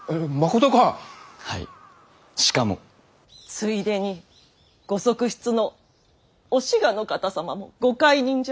ついでにご側室のお志賀の方様もご懐妊じゃ。